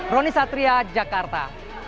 roni satria jakarta